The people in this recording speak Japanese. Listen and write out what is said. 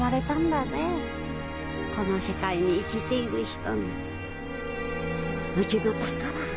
この世界に生きている人に「命どぅ宝」